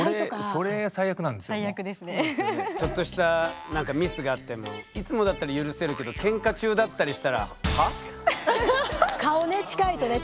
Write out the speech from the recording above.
それちょっとしたミスがあってもいつもだったら許せるけどケンカ中だったりしたら顔ね近いとね